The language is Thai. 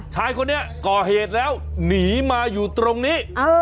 ชายคนนี้ก่อเหตุแล้วหนีมาอยู่ตรงนี้